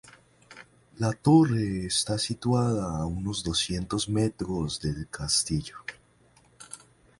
La torre está situada a unos doscientos metros del castillo.